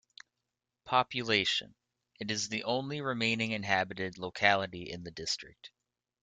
Population: It is the only remaining inhabited locality in the district.